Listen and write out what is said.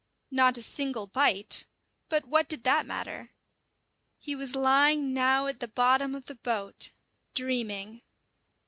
Not a single bite. But what did that matter? He was lying now at the bottom of the boat, dreaming.